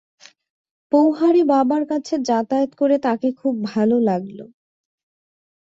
পওহারী বাবার কাছে যাতায়াত করে তাঁকে খুব ভাল লাগল।